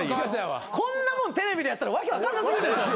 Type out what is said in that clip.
こんなもんテレビでやったら訳分かんな過ぎるでしょ。